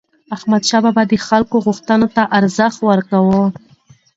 احمدشاه بابا د خلکو غوښتنو ته ارزښت ورکاوه.